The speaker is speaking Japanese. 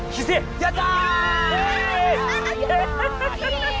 やった！